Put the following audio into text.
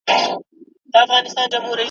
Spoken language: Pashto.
ننګیالی نور د ښادئ شعرونه وایي